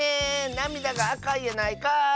なみだがあかいやないかい！